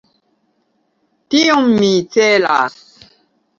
Tion mi celas.